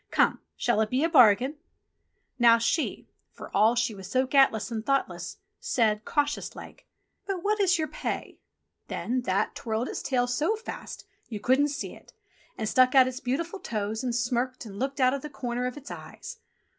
Come ! shall it be a bargain ?" Now she, for all she was so gatless and thoughtless, said, cautious like :" But what is your pay V* TOM TIT TOT 31 Then That twirled its tail so fast you couldn't see It, and stuck out its beautiful toes, and smirked and looked out of the corners of its eyes.